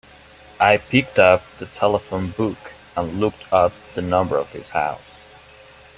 I picked up the telephone book and looked up the number of his house.